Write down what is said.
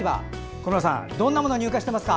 小村さん、どんなものが入荷してますか？